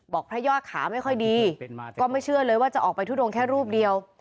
พระยอดขาไม่ค่อยดีก็ไม่เชื่อเลยว่าจะออกไปทุดงแค่รูปเดียว